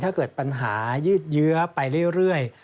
ถ้าเกิดปัญหายืดเยื้อไปเรื่อย